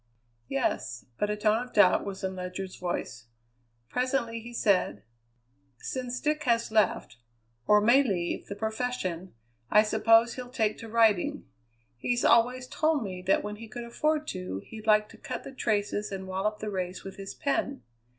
"Yes," but a tone of doubt was in Ledyard's voice. Presently he said: "Since Dick has left, or may leave, the profession, I suppose he'll take to writing. He's always told me that when he could afford to, he'd like to cut the traces and wollop the race with his pen.